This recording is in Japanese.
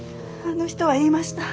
あの人は言いました。